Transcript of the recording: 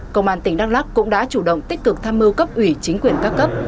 công an tỉnh đắk lắc cũng đã chủ động tích cực tham mưu cấp ủy chính quyền các cấp